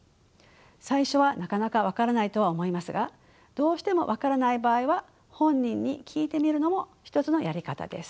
最初はなかなか分からないとは思いますがどうしても分からない場合は本人に聞いてみるのも一つのやり方です。